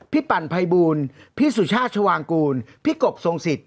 พี่ปั่นภัยบูรณ์พี่สุชาติชวางกูลพี่กบทรงสิรรค